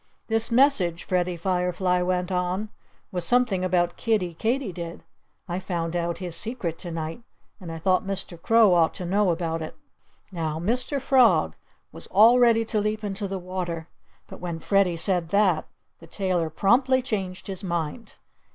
"This message," Freddie Firefly went on, "was something about Kiddie Katydid. I found out his secret to night. And I thought Mr. Crow ought to know about it." Now, Mr. Frog was all ready to leap into the water. But when Freddie said that, the tailor promptly changed his mind.